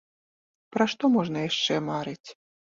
Пра што можна яшчэ марыць!